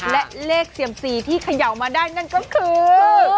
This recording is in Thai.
และเลขเซียมซีที่เขย่ามาได้นั่นก็คือ